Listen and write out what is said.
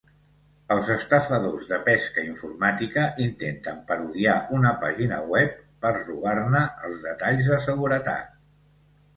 Els estafadors de pesca informàtica intenten parodiar una pàgina web per robar-ne els detalls de seguretat.